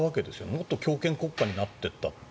もっと強権国家になっていった。